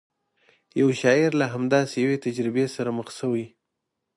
یو شاعر له همداسې یوې تجربې سره مخ شوی.